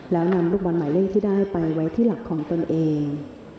แล้วนำลูกบอลหมายเลขที่ได้ไปไว้ที่หลักของตนเอง